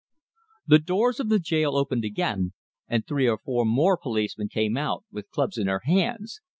The doors of the jail opened again, and three or four more policemen came out, with clubs in their hands.